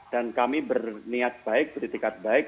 kami berniat baik beritikat baik